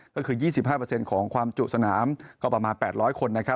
ก็คือ๒๕ของความจุสนามก็ประมาณ๘๐๐คน